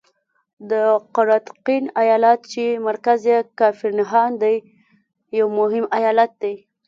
د قراتګین ایالت چې مرکز یې کافر نهان دی یو مهم ایالت دی.